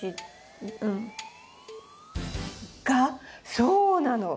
そうなの。